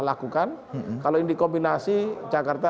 lakukan kalau ini kombinasi jakarta